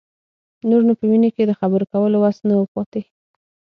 نور نو په مينې کې د خبرو کولو وس نه و پاتې.